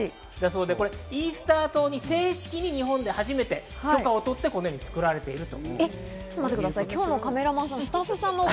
イースター島に正式に日本で初めて許可を取って作られています。